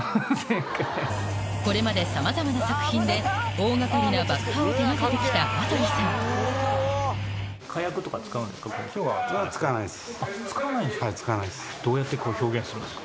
これまでさまざまな作品で大掛かりな爆破を手掛けて来た羽鳥さん使わないんですか？